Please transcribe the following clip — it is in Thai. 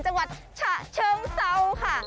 จังหวัดฉะเชิงเซาค่ะ